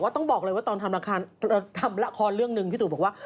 ต้องบอกเลยว่าตอนทำละครเรื่องหนึ่งพี่ตู่บอกว่า